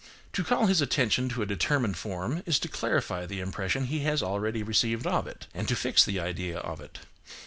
To call his attention to a determined form is to clarify the impression he has already received of it, and to fix the idea of it.